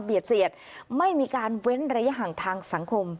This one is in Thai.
เสียดไม่มีการเว้นระยะห่างทางสังคม